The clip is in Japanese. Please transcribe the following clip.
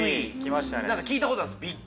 何か聞いたことあるんです。